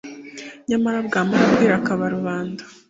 nyamara bwamara kwira akaba rubanda